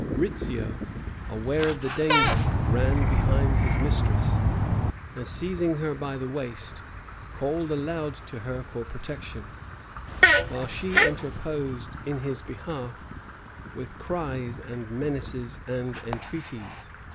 Rizzio, aware of the danger, ran behind his mistress, and seizing her by the waist, called aloud to her for protection; while she interposed in his behalf, with cries, and menaces, and entreaties.